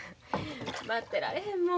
待ってられへんもん。